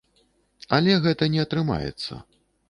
Але гэта не атрымаецца.